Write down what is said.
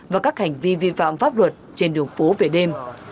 và các hành vi vi phạm pháp luật trên đường phố về đêm